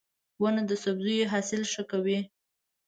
• ونه د سبزیو حاصل ښه کوي.